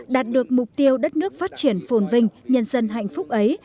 đạt được mục tiêu đất nước phát triển phồn vinh nhân dân hạnh phúc ấy